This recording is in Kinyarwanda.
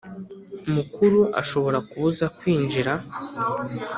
Mukuru ashobora kubuza kwinjira